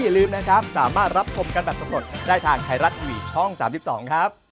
คู่กับสบัดข่าวนะ